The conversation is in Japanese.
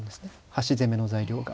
端攻めの材料が。